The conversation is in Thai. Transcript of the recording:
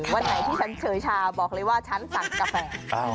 วันไหนที่ฉันเฉยชาบอกเลยว่าฉันสั่งกาแฟ